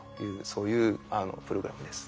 そういうプログラムです。